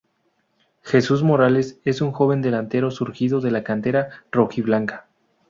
Jesús Morales es un joven delantero surgido de la cantera "rojiblanca".